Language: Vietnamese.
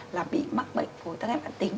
là bị mắc bệnh phổi tác hệ mạng tính